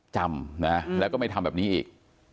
จำนะแล้วก็ไม่ทำแบบนี้อีก